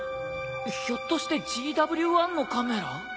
ひょっとしてＧＷ−１のカメラ？